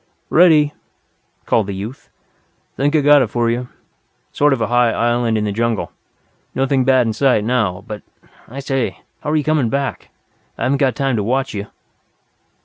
"Ready," called the youth. "Think I've got it for you. Sort of a high island in the jungle. Nothing bad in sight now. But, I say how're you coming back? I haven't got time to watch you."